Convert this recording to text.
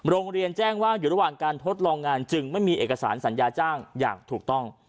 โรงเรียนแจ้งว่าอยู่ระหว่างการทดลองงานจึงไม่มีเอกสารสัญญาจ้างอย่างถูกต้อง